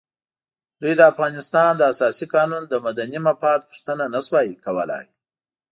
دوی د افغانستان د اساسي قانون د مدني مفاد پوښتنه نه شوای کولای.